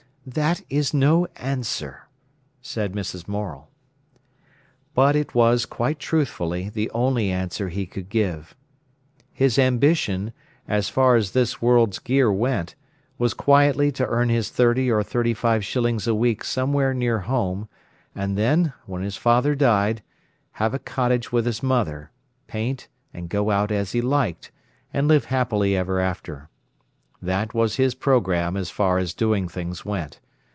"That is no answer," said Mrs. Morel. But it was quite truthfully the only answer he could give. His ambition, as far as this world's gear went, was quietly to earn his thirty or thirty five shillings a week somewhere near home, and then, when his father died, have a cottage with his mother, paint and go out as he liked, and live happy ever after. That was his programme as far as doing things went.